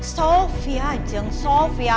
sofya jeng sofya